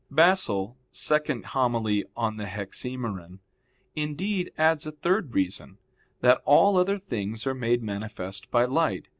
Basil [*Hom. ii in Hexaem.], indeed, adds a third reason: that all other things are made manifest by light.